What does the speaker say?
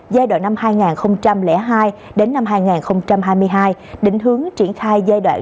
giai đoạn năm hai nghìn hai đến năm hai nghìn hai mươi hai đỉnh hướng triển khai giai đoạn